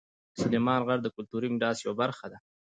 سلیمان غر د کلتوري میراث یوه برخه ده.